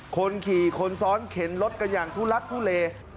คนขี่คนซ้อนเข็นรถกระยังทุลักษณ์ทุเล